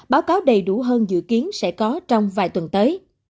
báo cáo đầy đủ hơn dự kiến sẽ có trong vài tuần tới